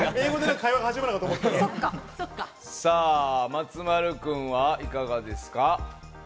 松丸君はいかがですか？